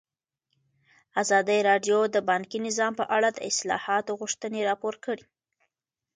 ازادي راډیو د بانکي نظام په اړه د اصلاحاتو غوښتنې راپور کړې.